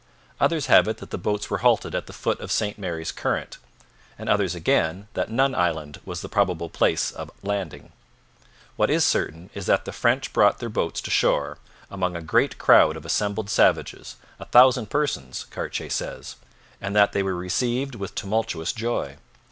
Others have it that the boats were halted at the foot of St Mary's current, and others again that Nun Island was the probable place of landing. What is certain is that the French brought their boats to shore among a great crowd of assembled savages, a thousand persons, Cartier says, and that they were received with tumultuous joy.